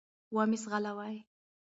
و مي ځغلوی .